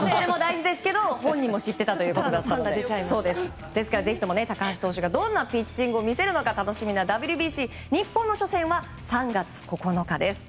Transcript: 本人も知っていたということで高橋投手がどんなピッチングを見せるのか楽しみなＷＢＣ日本の初戦は３月９日です。